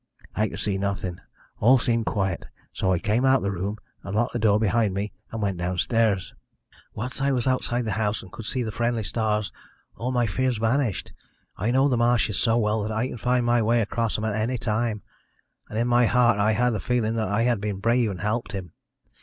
I could see nothing all seemed quiet so I came out of the room and locked the door behind me and went downstairs. "Once I was outside the house and could see the friendly stars all my fears vanished. I know the marshes so well that I can find my way across them at any time. And in my heart I had the feeling that I had been brave and helped him.